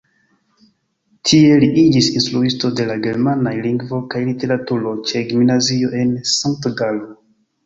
Tie li iĝis instruisto de la germanaj lingvo kaj literaturo ĉe gimnazio en Sankt-Galo.